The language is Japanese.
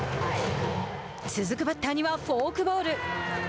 続くバッターにはフォークボール。